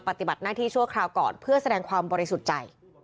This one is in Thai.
ปฏิบัติหน้าที่ชั่วคราวก่อนเพื่อแสดงความบริสุทธิ์ใจ